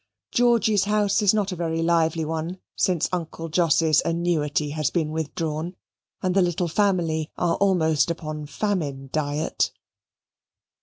Georgy's house is not a very lively one since Uncle Jos's annuity has been withdrawn and the little family are almost upon famine diet.